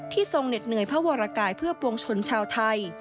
ทรงเหน็ดเหนื่อยพระวรกายเพื่อปวงชนชาวไทย